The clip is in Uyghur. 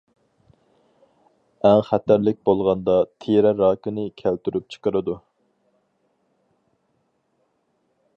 ئەڭ خەتەرلىك بولغاندا تېرە راكىنى كەلتۈرۈپ چىقىرىدۇ.